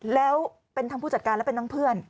แล้วเป็นทั้งผู้จัดการและเป็นทั้งเพื่อน